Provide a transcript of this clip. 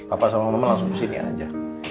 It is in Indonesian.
apa sama mama langsung kesinian aja